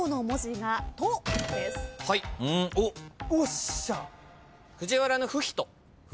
おっしゃ。